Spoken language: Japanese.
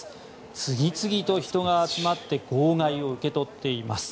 次々と人が集まって号外を受け取っています。